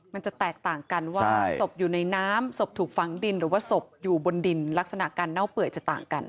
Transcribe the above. มันจะแตกต่างกันว่าศพอยู่ในน้ำศพถูกฝังดินหรือว่าศพอยู่บนดินลักษณะการเน่าเปื่อยจะต่างกัน